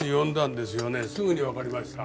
すぐにわかりました。